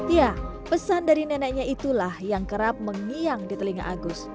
ya pesan dari neneknya itulah yang kerap mengiang di telinga agus